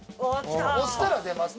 押したら出ます。